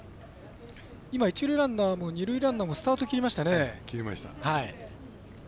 一塁ランナーも二塁ランナーもスタート切りましたね。